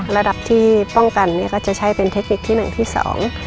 ระดับที่ป้องกันเนี่ยก็จะใช้เป็นเทคนิคที่หนึ่งที่สอง